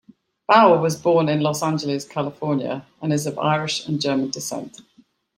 Bauer was born in Los Angeles, California and is of Irish and German descent.